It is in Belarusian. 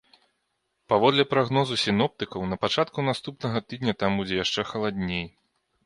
Паводле прагнозу сіноптыкаў, на пачатку наступнага тыдня там будзе яшчэ халадней.